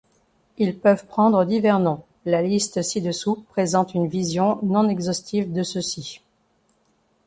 Ils peuvent prendre divers nom, la liste ci-dessous présente une vision non-exhaustive de ceux-ci.